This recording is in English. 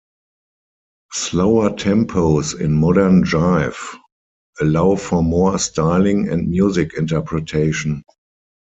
Slower tempos in Modern Jive allow for more styling and music interpretation.